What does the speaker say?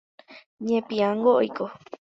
Ñepiãngo oiko.